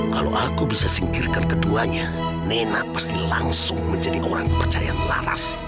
kalau aku bisa singkirkan keduanya nena pasti langsung menjadi orang kepercayaan laras